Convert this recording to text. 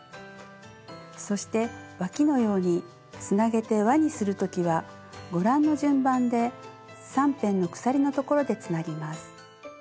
そしてわきのようにつなげて輪にする時はご覧の順番で３辺の鎖のところでつなぎます。